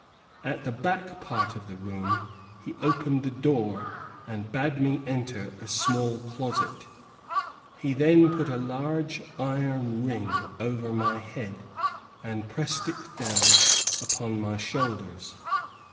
At the back part of the room, he opened the door, and bade me enter a small closet. He then put a large iron ring over my head, and pressed it down upon my shoulders.